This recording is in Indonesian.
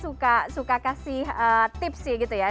david kan suka kasih tips sih gitu ya